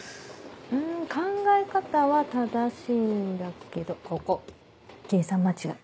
ん考え方は正しいんだけどここ計算間違い。